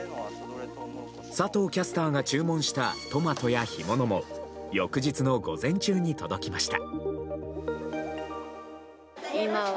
佐藤キャスターが注文したトマトや干物も翌日の午前中に届きました。